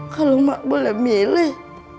kalo mak boleh milih